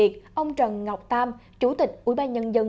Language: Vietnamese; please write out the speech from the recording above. công tác đảm bảo an toàn